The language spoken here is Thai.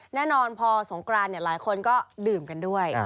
แน่นอนพอสงกรานหลายคนก็ดื่มกันด้วย